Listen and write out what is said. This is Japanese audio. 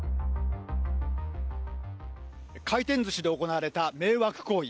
回転ずしで行われた迷惑行為。